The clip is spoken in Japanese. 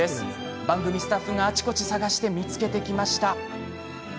番組スタッフが、あちこち探して見つけてきました。